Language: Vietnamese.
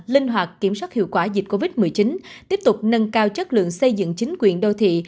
linh hoạt kiểm soát hiệu quả dịch covid một mươi chín tiếp tục nâng cao chất lượng xây dựng chính quyền đô thị